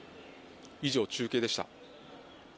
以上、中継でした。